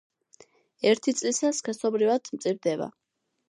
ერთი წლისა სქესობრივად მწიფდება.